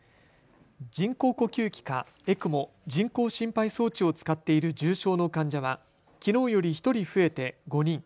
人工呼吸器かＥＣＭＯ・人工心肺装置を使っている重症の患者はきのうより１人増えて５人。